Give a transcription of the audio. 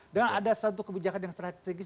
dan ada satu kebijakan yang strategis